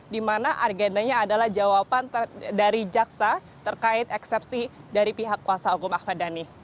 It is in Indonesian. dimana argentanya adalah jawaban dari jaksa terkait eksepsi dari pihak kuasa hukum ahmad dhani